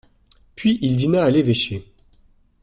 Puis il dîna à l'évêché.